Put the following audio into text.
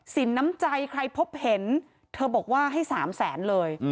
น้ำใจใครพบเห็นเธอบอกว่าให้๓แสนเลย